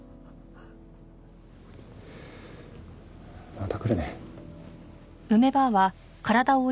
また来るね。